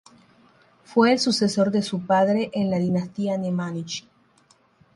Fue el sucesor de su padre en la dinastía Nemanjić.